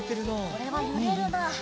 これはゆれるな。